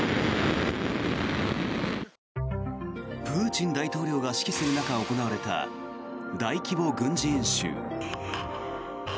プーチン大統領が指揮する中行われた大規模軍事演習。